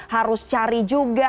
harus cari juga